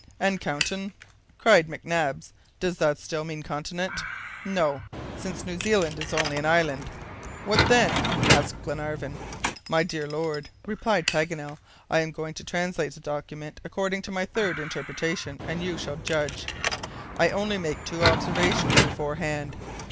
"And CONTIN?" cried McNabbs. "Does that still mean CONTINENT?" "No; since New Zealand is only an island." "What then?" asked Glenarvan. "My dear lord," replied Paganel, "I am going to translate the document according to my third interpretation, and you shall judge. I only make two observations beforehand.